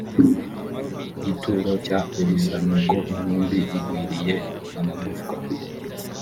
gituro cya elisa nuko intumbi igwiriye amagufwa